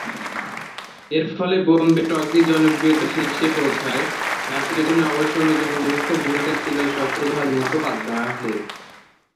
এর ফলে বোম্বে টকিজ জনপ্রিয়তার শীর্ষে পৌঁছায়, যার পেছনে অবশ্য অন্যতম মুখ্য ভূমিকা ছিল শশধর মুখোপাধ্যায়ের।